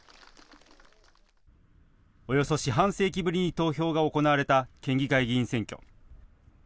およそ四半世紀ぶりに投票が行われた県議会議員選挙。